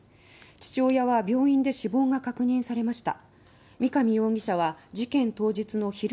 父親は病院で死亡が確認されました。